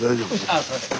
あすいません。